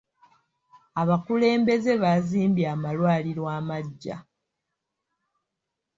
Abakulembeze baazimbye amalwaliro amaggya.